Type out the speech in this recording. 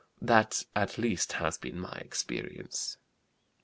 That at least has been my experience.